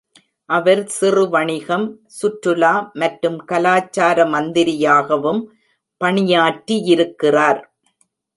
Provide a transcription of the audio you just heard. அவர் சிறு வணிகம், சுற்றுலா மற்றும் கலாச்சார மந்திரியாகவும் பணியாற்றியிருக்கிறார்.